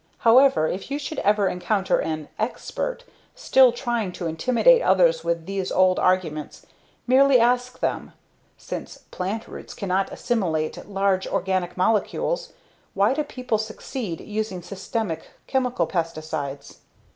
However, if you should ever encounter an "expert" still trying to intimidate others with these old arguments merely ask them, since plant roots cannot assimilate large organic molecules, why do people succeed using systemic chemical pesticides?